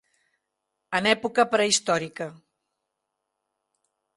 En època prehistòrica.